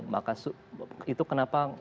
maka itu kenapa